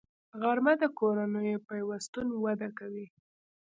غرمه د کورنیو پیوستون وده کوي